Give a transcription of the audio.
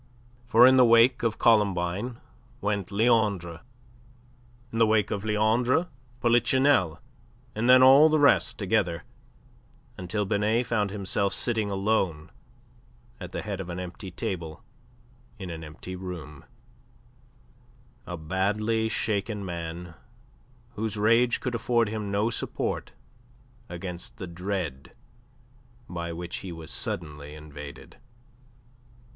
For in the wake of Columbine went Leandre, in the wake of Leandre, Polichinelle and then all the rest together, until Binet found himself sitting alone at the head of an empty table in an empty room a badly shaken man whose rage could afford him no support against the dread by which he was suddenly invaded.